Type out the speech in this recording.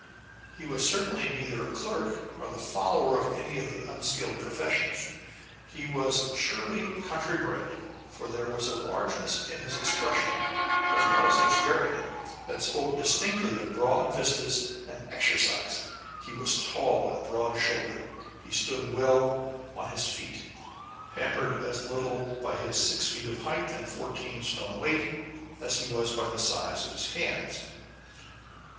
He was certainly neither a clerk nor the follower of any of the unskilled professions. He was surely countrybred, for there was a largeness in his expression as well as his bearing that spoke distinctly of broad vistas and exercise. He was tall and broad shouldered. He stood well on his feet, hampered as little by his six feet of height and fourteen stone weight as he was by the size of his hands.